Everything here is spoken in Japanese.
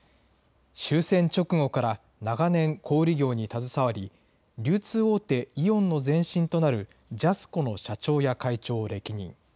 終戦直後から、長年、小売り業に携わり、流通大手、イオンの前身となるジャスコの社長や会長を歴任。